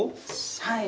はい。